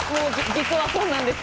実はそうなんです。